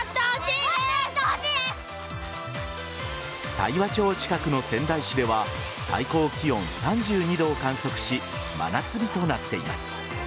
大和町近くの仙台市では最高気温３２度を観測し真夏日となっています。